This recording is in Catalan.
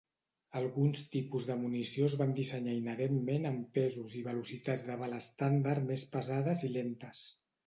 Alguns tipus de munició es van dissenyar inherentment amb pesos i velocitats de bala estàndard més pesades i lentes.